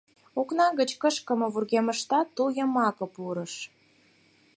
Окна гыч кышкыме вургемыштат тул йымаке пурыш.